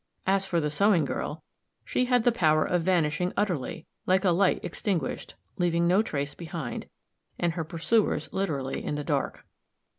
As for the sewing girl, she had the power of vanishing utterly, like a light extinguished, leaving no trace behind, and her pursuers literally in the dark.